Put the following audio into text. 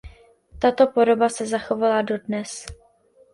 Tato podoba se zachovala dodnes.